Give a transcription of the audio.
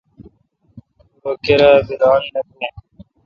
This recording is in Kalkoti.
رو کیرا بھ ران نہ بھو۔